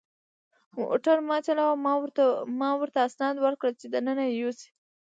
موټر ما چلاوه، ما ورته اسناد ورکړل چې دننه یې یوسي.